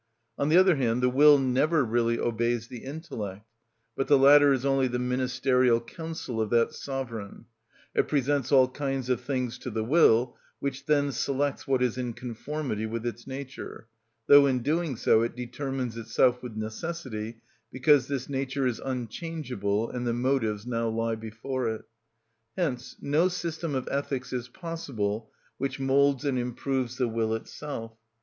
On the other hand, the will never really obeys the intellect; but the latter is only the ministerial council of that sovereign; it presents all kinds of things to the will, which then selects what is in conformity with its nature, though in doing so it determines itself with necessity, because this nature is unchangeable and the motives now lie before it. Hence no system of ethics is possible which moulds and improves the will itself.